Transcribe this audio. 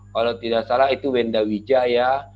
kalau tidak salah itu wenda wijaya